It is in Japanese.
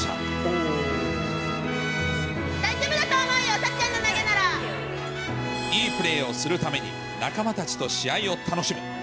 大丈夫だと思うよ、いいプレーをするために、仲間たちと試合を楽しむ。